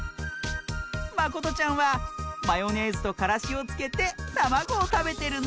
まことちゃんはマヨネーズとからしをつけてたまごをたべてるんだって！